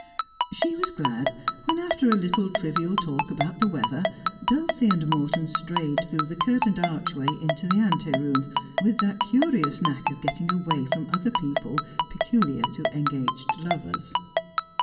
She was glad when, after a little trivial talk about the weather, Dulcie and Morton strayed through the curtained archway into the ante room, with that curious knack of getting away from other people peculiar to engaged lovers.